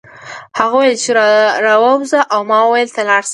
هغه وویل چې راوځه او ما وویل ته لاړ شه